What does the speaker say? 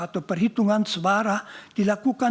atau perhitungan sebarang dilakukan